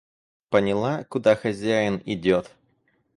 Поняла, куда хозяин идет!